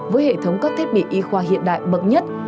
với hệ thống các thiết bị y khoa hiện đại bậc nhất